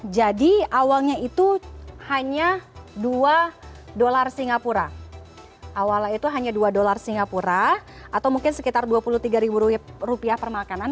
jadi awalnya itu hanya dua dolar singapura atau mungkin sekitar dua puluh tiga ribu rupiah per makanan